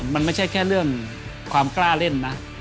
มันไม่ใช่แค่เรื่องความกล้าเล่นนะ